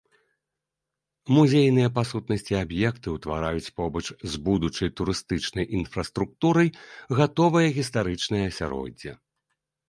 Музейныя па сутнасці аб'екты ўтвараюць побач з будучай турыстычнай інфраструктурай гатовае гістарычнае асяроддзе.